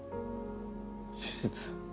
手術？